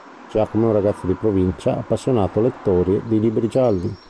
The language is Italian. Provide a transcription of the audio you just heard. Giacomo è un ragazzo di provincia, appassionato lettore di libri gialli.